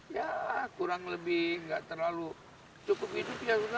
ya kurang lebih tidak terlalu cukup hidup ya sudah